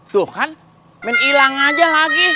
tuh kan main hilang aja lagi